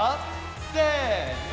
せの！